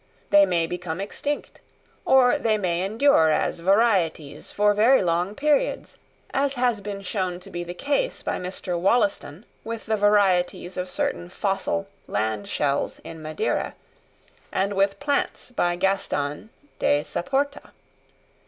They may become extinct, or they may endure as varieties for very long periods, as has been shown to be the case by Mr. Wollaston with the varieties of certain fossil land shells in Madeira, and with plants by Gaston de Saporta.